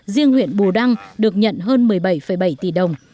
riêng huyện bù đăng được nhận hơn một mươi bảy bảy tỷ đồng